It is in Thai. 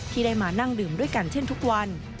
ที่ได้มานั่งดื่มด้วยกันเช่นทุกวัน